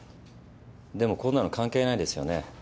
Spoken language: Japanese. でもこんなの関係ないですよね。